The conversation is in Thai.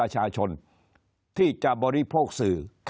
คนในวงการสื่อ๓๐องค์กร